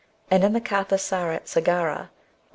and in the Kathd Sarit Sdgara, v.